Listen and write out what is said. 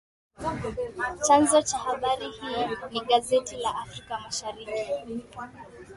Chanzo cha habari hii ni gazeti la Afrika Mashariki